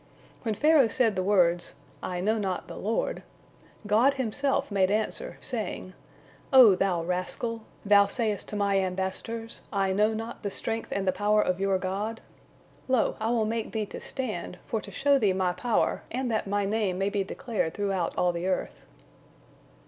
" When Pharaoh said the words, "I know not the Lord," God Himself made answer, saying: "O thou rascal! Thou sayest to My ambassadors, 'I know not the strength and the power of your God'? Lo, I will make thee to stand, for to show thee My power, and that My Name may be declared throughout all the earth."